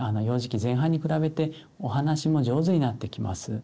幼児期前半に比べてお話も上手になってきます。